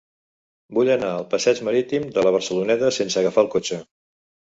Vull anar al passeig Marítim de la Barceloneta sense agafar el cotxe.